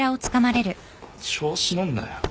調子乗んなよ。